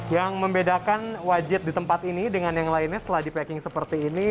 yang membedakan wajib di tempat ini dengan yang lainnya setelah di packing seperti ini